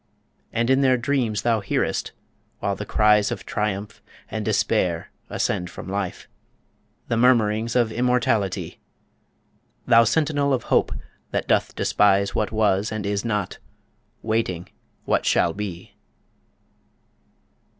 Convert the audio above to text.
And in their dreams thou hearest, while the cries Of triumph and despair ascend from Life, The murmurings of immortality Thou Sentinel of Hope that doth despise What was and is not, waiting what shall be!